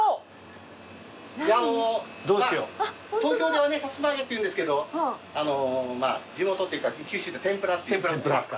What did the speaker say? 東京ではねさつま揚げっていうんですけどまぁ地元っていうか九州では天ぷらっていう。